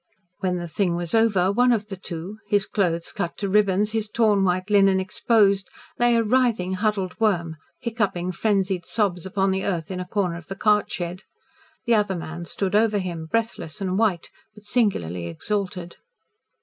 When the thing was over, one of the two his clothes cut to ribbons, his torn white linen exposed, lay, a writhing, huddled worm, hiccoughing frenzied sobs upon the earth in a corner of the cart shed. The other man stood over him, breathless and white, but singularly exalted.